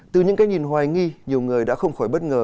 từ những cái nhìn hoài nghi nhiều người đã không khỏi bất ngờ